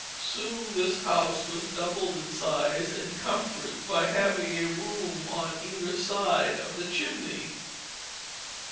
Soon this house was doubled in size and comfort by having a room on either side of the chimney.